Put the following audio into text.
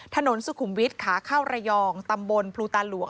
ถนนสุขุมวิทย์ขาเข้าระยองตำบลภูตาหลวง